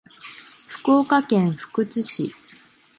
福岡県福津市